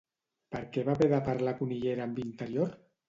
Per què va haver de parlar Cunillera amb Interior?